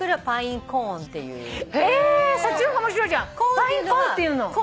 パインコーンっていうの？